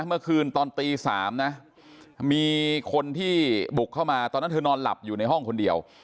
เมื่อคืนตอนตี๓นะมีคนที่บุกเข้ามาตอนนั้นเธอนอนหลับอยู่ในห้องคนเดียว